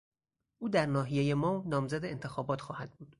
او در ناحیهی ما نامزد انتخابات خواهد بود.